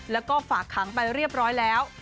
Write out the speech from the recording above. แล้วก็ฝากขังไปเรียบร้อยแล้ว